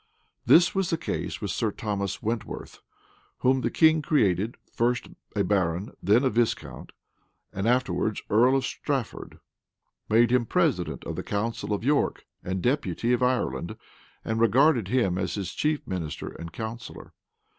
This was the case with Sir Thomas Wentworth, whom the king created, first a baron, then a viscount, and afterwards earl of Strafford; made him president of the council of York, and deputy of Ireland; and regarded him as his chief minister and counsellor.